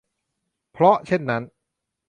เพราะเช่นนั้น